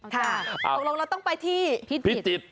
ตรงนั้นเราต้องไปที่พิจิตร